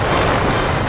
aku akan menang